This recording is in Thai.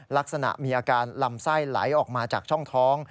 ลักษณะมีอาการลำไส้ไหลออกมาจากช่องท้อง